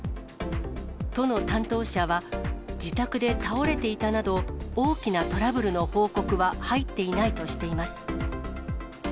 都の担当者は、自宅で倒れていたなど、大きなトラブルの報告は入っていないとしています。